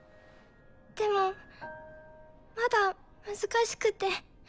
でもまだ難しくて。